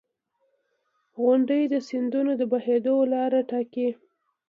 • غونډۍ د سیندونو د بهېدو لاره ټاکي.